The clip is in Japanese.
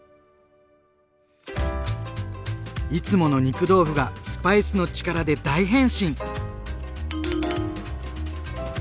いつもの肉豆腐がスパイスの力で大変身！